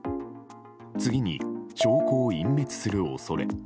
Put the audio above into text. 次に証拠を隠滅する恐れ。